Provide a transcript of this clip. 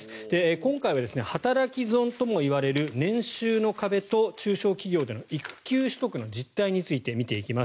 今回は働き損とも言われる年収の壁と中小企業での育休取得の実態について見ていきます。